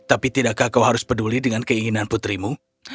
tapi tidakkah kau harus peduli dengan keinginan putrimu